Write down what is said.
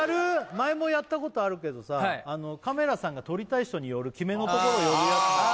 前もやったことあるけどさカメラさんが撮りたい人に寄るキメのところ寄るやつ